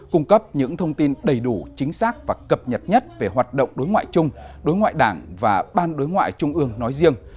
cung cấp những thông tin đầy đủ chính xác và cập nhật nhất về hoạt động đối ngoại chung đối ngoại đảng và ban đối ngoại trung ương nói riêng